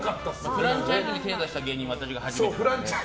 フランチャイズに手を出した芸人は私が初めて。